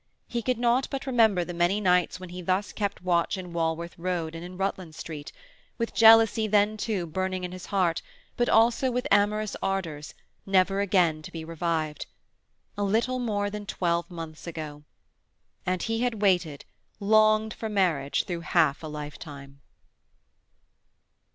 He could not but remember the many nights when he thus kept watch in Walworth Road and in Rutland Street, with jealousy, then too, burning in his heart, but also with amorous ardours, never again to be revived. A little more than twelve months ago! And he had waited, longed for marriage through half a lifetime.